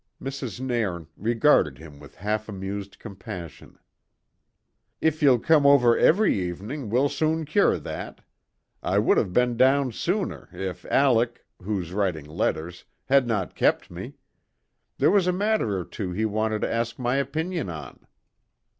Mrs. Nairn regarded him with half amused compassion. "If ye'll come ower every evening, we'll soon cure that. I would have been down sooner if Alec, who's writing letters, had not kept me. There was a matter or two he wanted to ask my opinion on."